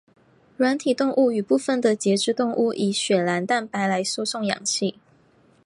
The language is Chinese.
软体动物与部分的节肢动物以血蓝蛋白来输送氧气。